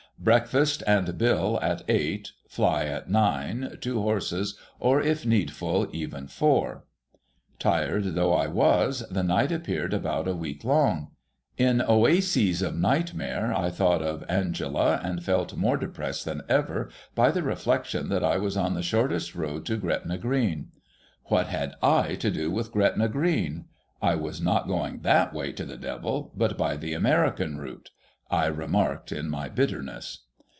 Breakfast and bill at eight. Fly at nine. Two horses, or, if needful, even four. Tired though I was, the night appeared about a week long. In oases of nightmare, I thought of Angela, and felt more depressed than ever by the reflection that I was on the shortest road to Gretna Green. What had / to do with Gretna Green ? I was not going tJiat way to the Devil, but by the American route, I remarked in my bitterness.